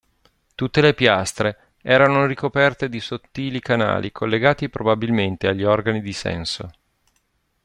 Tutte le piastre erano ricoperte di sottili canali collegati probabilmente agli organi di senso.